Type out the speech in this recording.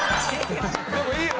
でもいいよ。